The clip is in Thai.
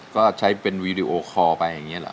ก็ใช้เป็นวีดีโอคอลไปอย่างนี้เหรอ